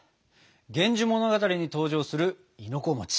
「源氏物語」に登場する亥の子。